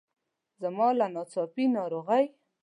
زما له ناڅاپي ناروغۍ.